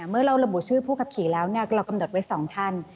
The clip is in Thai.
เมื่อเราระบุชื่อผู้ขับขี่แล้วเรากำหนดไว้๒ท่าน